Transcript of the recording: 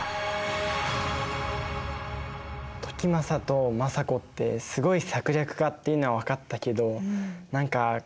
時政と政子ってすごい策略家っていうのは分かったけど何か怖いよね。